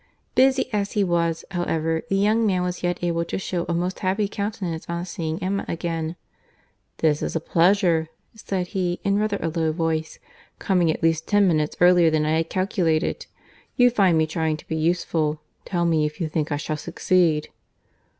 Busy as he was, however, the young man was yet able to shew a most happy countenance on seeing Emma again. "This is a pleasure," said he, in rather a low voice, "coming at least ten minutes earlier than I had calculated. You find me trying to be useful; tell me if you think I shall succeed."